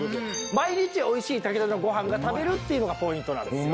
毎日美味しい炊き立てのごはんが食べれるっていうのがポイントなんですよね。